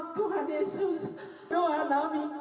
doa tuhan yesus doa nabi